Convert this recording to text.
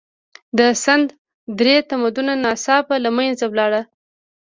د سند درې تمدن ناڅاپه له منځه لاړ.